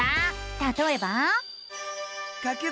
たとえば。